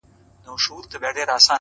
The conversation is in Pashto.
نه په کتاب کي وه چا لوستلي -